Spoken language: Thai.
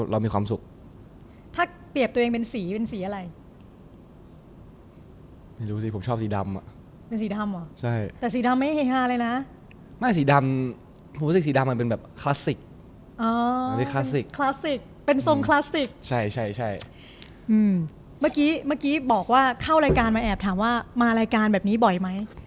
เราก็จะอยากถามว่ามารายการแบบนี้บ่อยมั้ย